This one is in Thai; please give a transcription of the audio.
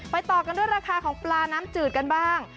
ต่อกันด้วยราคาของปลาน้ำจืดกันบ้าง